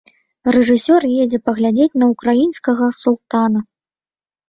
Рэжысёр едзе паглядзець на ўкраінскага султана.